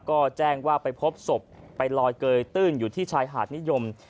ก็แจ้งว่าไปพบศพไปลอยเกยตื้นอยู่ที่ชายหาดนิยม